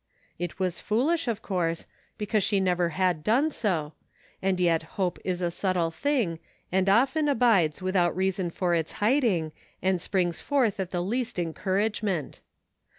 It was foolish, of course, because she never had done so, and yet hope is a subtle thing and often abides without reason for its hiding and springs forth at the least encouragement.